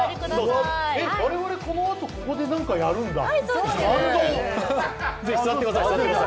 我々このあと、ここで何かやるんだ、感動。